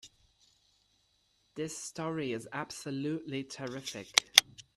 This story is absolutely terrific!